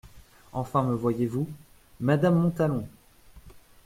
Enfin me voyez-vous :« madame Montalon !